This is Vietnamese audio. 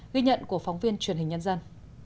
ghi nhận của phóng viên truyền hình nhân dân